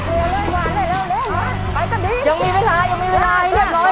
กลัวเร็วมาเร็วเร็วเร็วเร็วไปกันดียังมีเวลายังมีเวลาให้เรียบร้อย